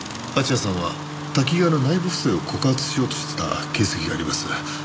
蜂矢さんはタキガワの内部不正を告発しようとしていた形跡があります。